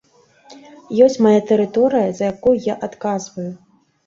Ёсць мая тэрыторыя, за якую я адказваю.